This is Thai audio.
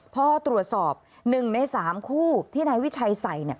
พอตรวจสอบ๑ใน๓คู่ที่นายวิชัยใส่